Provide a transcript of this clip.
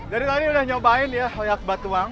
dari tadi udah nyobain ya hoyak batuang